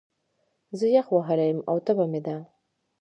زه يخ وهلی يم، او تبه مې ده